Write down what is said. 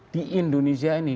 di indonesia ini